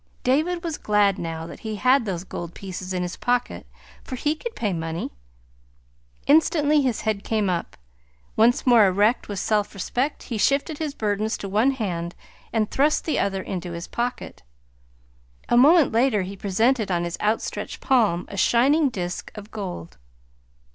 David was glad, now, that he had those gold pieces in his pocket, for he could pay money. Instantly his head came up. Once more erect with self respect, he shifted his burdens to one hand and thrust the other into his pocket. A moment later he presented on his outstretched palm a shining disk of gold.